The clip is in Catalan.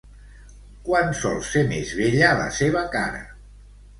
Quan sol ser més bella la seva cara?